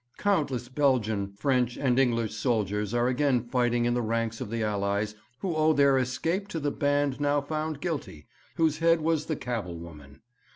Countless Belgian, French, and English soldiers are again fighting in the ranks of the Allies who owe their escape to the band now found guilty, whose head was the Cavell woman.